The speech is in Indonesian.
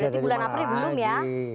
berarti bulan april belum ya